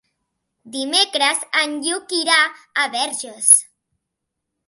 Dimecres en Lluc irà a Verges.